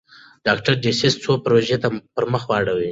ډاکټر ډسیس څو پروژې پرمخ وړي.